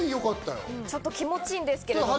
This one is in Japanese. ちょっと気持ち良いんですけれども。